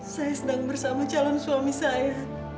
saya sedang bersama calon suami saya